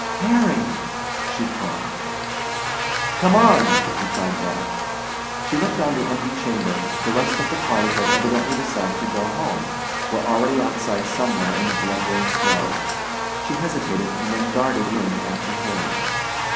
"Harry!" she called. "Come on!" he cried back. She looked round the empty chamber; the rest of the party had evidently decided to go home, were already outside somewhere in the blundering snow. She hesitated and then darted in after Harry.